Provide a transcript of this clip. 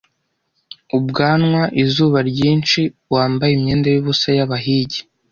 Ubwanwa, izuba ryinshi, wambaye imyenda yubusa yabahigi,